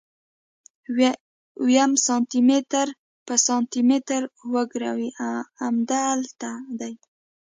ويم سانتي متر په سانتي متر وګروئ امدلته دي.